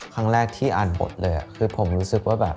ครั้งแรกที่อ่านบทเลยคือผมรู้สึกว่าแบบ